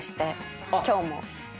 今日も。